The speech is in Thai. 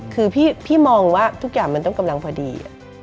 คือพี่มองว่าทุกอย่างมันต้องกำลังพอดี